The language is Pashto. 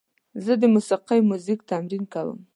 زه د موسیقۍ میوزیک تمرین کوم.